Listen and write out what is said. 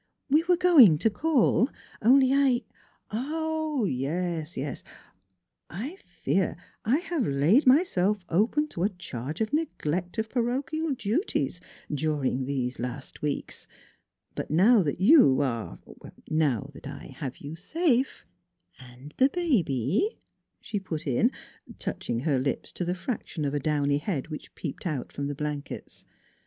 We were going to call; only I "" Ah, yes ! I fear I have laid myself open to a charge of neglect of parochial duties during these last weeks; but now that you are now that I have you safe " 11 And the baby," she put in, touching her lips to the fraction of a downy head which peeped out from the blankets.